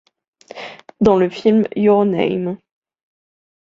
Dans le film Your name.